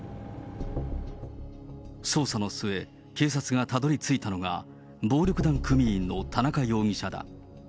捜査の末、警察がたどりついたのが、暴力団組員の田中容疑者だ。